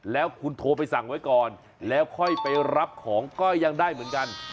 แล้วค่อยไปรับของก็ยังได้เหมือนกัน